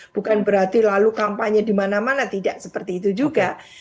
bukan berarti lalu kampanye di mana mana tidak seperti itu juga